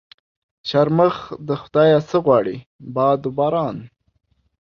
شرمښ د خدا يه څه غواړي ؟ باد و باران.